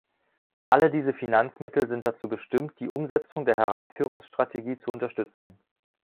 Alle diese Finanzmittel sind dazu bestimmt, die Umsetzung der Heranführungsstrategie zu unterstützen.